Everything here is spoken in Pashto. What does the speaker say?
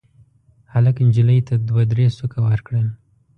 هلک نجلۍ ته دوه درې سوکه ورکړل.